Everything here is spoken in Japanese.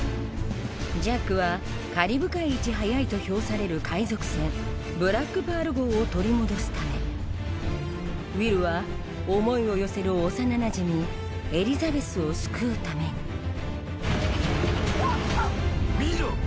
ジャックはカリブ海いち早いと評される海賊船ブラックパール号を取り戻すためウィルは思いを寄せる幼なじみエリザベスを救うために見ろ。